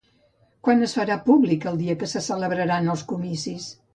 Quan es farà públic el dia que se celebraran els comicis?